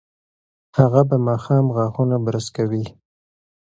هغه به ماښام غاښونه برس کوي.